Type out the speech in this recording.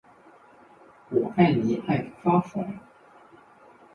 我爱你爱的发疯